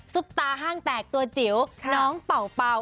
ตาห้างแตกตัวจิ๋วน้องเป่า